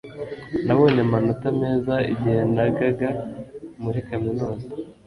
nabonye amanota meza igihe nigaga muri kaminuza